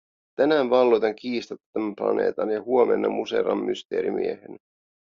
Tänään valloitan kiistatta tämän planeetan, ja huomenna muserran Mysteerimiehen.